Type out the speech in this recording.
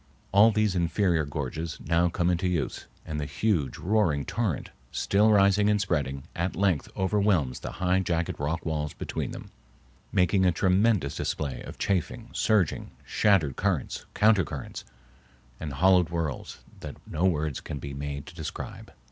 All these inferior gorges now come into use, and the huge, roaring torrent, still rising and spreading, at length overwhelms the high jagged rock walls between them, making a tremendous display of chafing, surging, shattered currents, counter currents, and hollow whirls that no words can be made to describe.